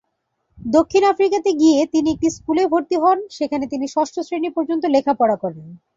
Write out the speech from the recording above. দক্ষিণ আফ্রিকাতে গিয়ে তিনি একটি স্কুলে ভর্তি হন, সেখানে তিনি ষষ্ঠ শ্রেণি পর্যন্ত লেখাপড়া করেন।